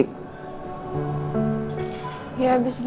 kayanya apa opa devin ngerti